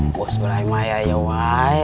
surat keterangan orang terlantar